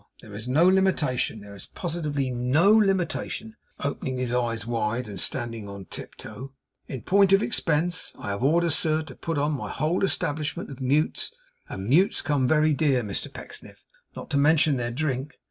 There is no limitation, there is positively NO limitation' opening his eyes wide, and standing on tiptoe 'in point of expense! I have orders, sir, to put on my whole establishment of mutes; and mutes come very dear, Mr Pecksniff; not to mention their drink.